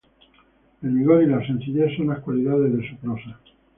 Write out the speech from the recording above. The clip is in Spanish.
El vigor y la sencillez son las cualidades de su prosa.